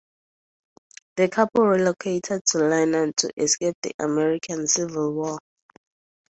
The couple relocated to London to escape the American Civil War.